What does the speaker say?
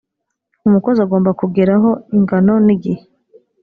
umukozi agomba kugeraho ingano n’igihe